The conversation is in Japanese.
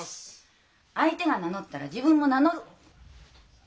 相手が名乗ったら自分も名乗る！